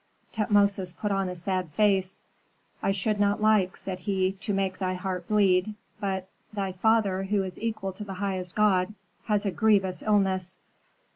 Tutmosis put on a sad face. "I should not like," said he, "to make thy heart bleed, but thy father, who is equal to the highest god, has a grievous illness."